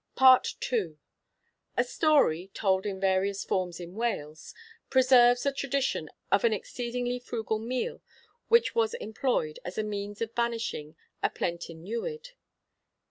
II. A story, told in various forms in Wales, preserves a tradition of an exceedingly frugal meal which was employed as a means of banishing a plentyn newid.